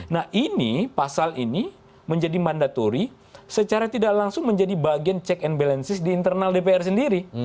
nah ini pasal ini menjadi mandatori secara tidak langsung menjadi bagian check and balances di internal dpr sendiri